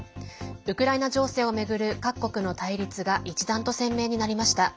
ウクライナ情勢を巡る各国の対立が一段と鮮明になりました。